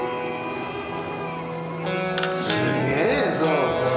すげえぞこれ。